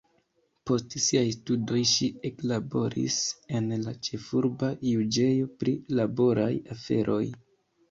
Post siaj studoj ŝi eklaboris en la ĉefurba juĝejo pri laboraj aferoj.